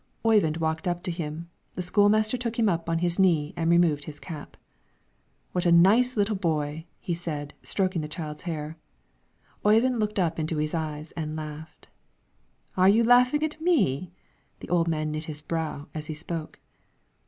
"Oyvind walked up to him, the school master took him up on his knee and removed his cap. "What a nice little boy!" said he, stroking the child's hair. Oyvind looked up into his eyes and laughed. "Are you laughing at me!" The old man knit his brow, as he spoke.